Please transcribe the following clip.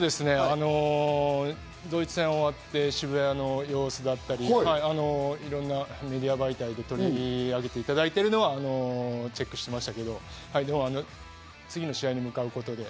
ドイツ戦が終わって、渋谷の様子だったり、いろんなメディア媒体で取り上げていただいているのはチェックしてました。